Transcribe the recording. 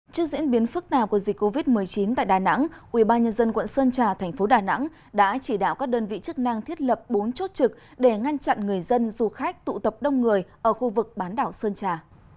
trước diễn biến phức tạp của dịch covid một mươi chín tại đà nẵng ubnd quận sơn trà thành phố đà nẵng đã chỉ đạo các đơn vị chức năng thiết lập bốn chốt trực để ngăn chặn người dân du khách tụ tập đông người ở khu vực bán đảo sơn trà